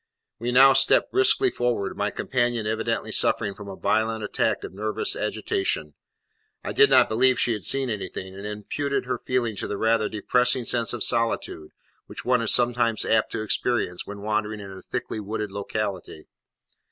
We now stepped briskly forward, my companion evidently suffering from a violent attack of nervous agitation. I did not believe she had seen anything, and imputed her feeling to the rather depressing sense of solitude which one is sometimes apt to experience when wandering in a thickly wooded locality.